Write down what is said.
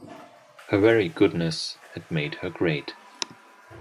Her very goodness had made her great.